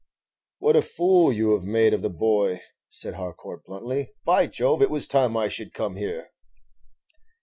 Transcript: "What a fool you have made of the boy!" said Harcourt, bluntly. "By Jove! it was time I should come here!"